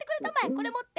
これもって。